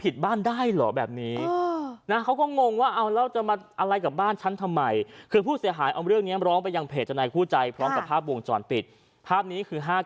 ซับสินพาในบ้านที่อยู่ในจังหวัดปทุมฐานี